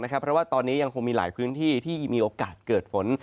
เพราะว่าตอนนี้ยังคงมีหลายพื้นที่ที่มีโอกาสเกิดฝน